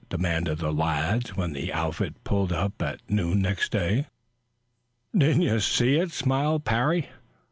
demanded the lads when the outfit pulled up at noon next day. "Don't you see it?" smiled Parry.